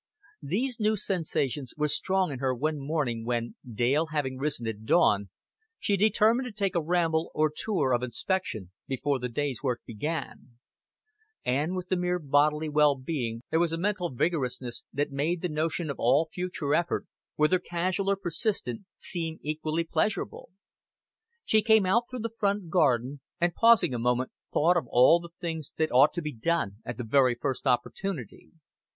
These new sensations were strong in her one morning when, Dale having risen at dawn, she determined to take a ramble or tour of inspection before the day's work began; and with the mere bodily well being there was a mental vigorousness that made the notion of all future effort, whether casual or persistent, seem equally pleasurable. She came out through the front garden, and pausing a moment thought of all the things that ought to be done at the very first opportunity.